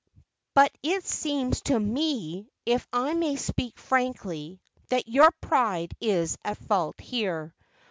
"But it seems to me, if I may speak frankly, that your pride is at fault here.